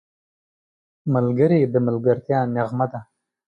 ملګری د ملګرتیا نغمه ده